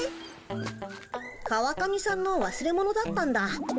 川上さんのわすれ物だったんだ。